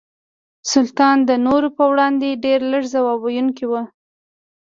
سلطان د نورو په وړاندې ډېر لږ ځواب ویونکي وو.